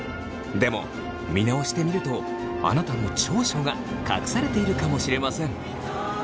でも見直してみるとあなたの長所が隠されているかもしれません。